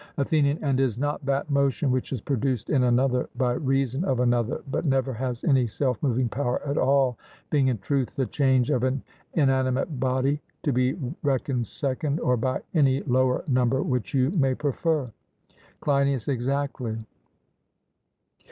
ATHENIAN: And is not that motion which is produced in another, by reason of another, but never has any self moving power at all, being in truth the change of an inanimate body, to be reckoned second, or by any lower number which you may prefer? CLEINIAS: Exactly.